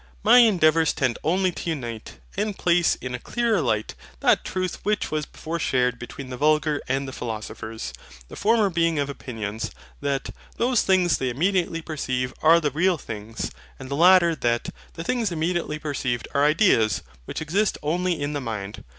My endeavours tend only to unite, and place in a clearer light, that truth which was before shared between the vulgar and the philosophers: the former being of opinion, that THOSE THINGS THEY IMMEDIATELY PERCEIVE ARE THE REAL THINGS; and the latter, that THE THINGS IMMEDIATELY PERCEIVED ARE IDEAS, WHICH EXIST ONLY IN THE MIND.